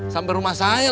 sampai rumah saya loh